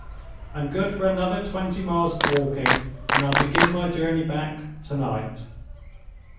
I'm good for another twenty miles of walking, and I'll begin my journey back tonight."